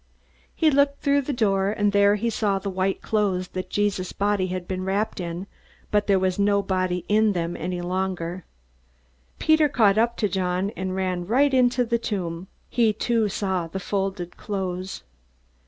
He looked through the door, and there he saw the white cloths that Jesus' body had been wrapped in, but there was no body in them any longer. Peter caught up to John, and ran right into the tomb. He too saw the folded cloths.